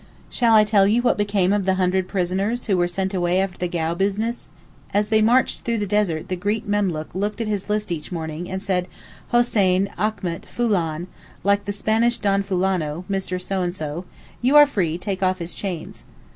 Shall I tell you what became of the hundred prisoners who were sent away after the Gau business? As they marched through the desert the Greek memlook looked at his list each morning, and said, 'Hoseyn, Achmet, Foolan (like the Spanish Don Fulano, Mr. so and so), you are free; take off his chains.